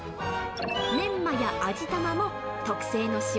メンマや味玉も特製の塩